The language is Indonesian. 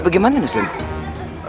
ya bagaimana ustadz